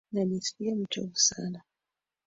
Najiskia mchovu sasa hivi.